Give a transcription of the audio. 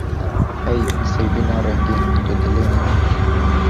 Hey Nisêbîna rengîn tu dilê min î.